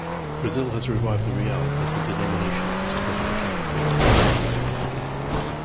Brazil has revived the real as the denomination of its present currency.